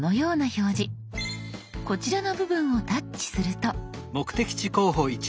こちらの部分をタッチすると。